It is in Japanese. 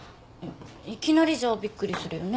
いきなりじゃびっくりするよね。